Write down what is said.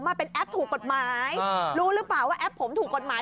มาเป็นแอปถูกกฎหมายรู้หรือเปล่าว่าแอปผมถูกกฎหมาย